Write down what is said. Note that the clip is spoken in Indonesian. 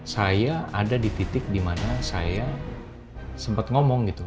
saya ada di titik dimana saya sempat ngomong gitu